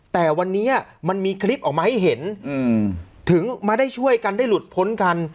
แต่วันนี้มันมีคลิปออกมาให้เห็นถึงมาได้ช่วยกันได้หลุดพ้นกัน